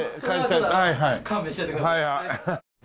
勘弁してやってください。